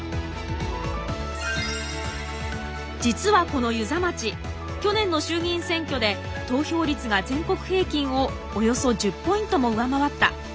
実はこの遊佐町去年の衆議院選挙で投票率が全国平均をおよそ１０ポイントも上回った。